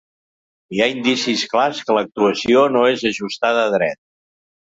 Hi ha indicis clars que l’actuació no és ajustada a dret.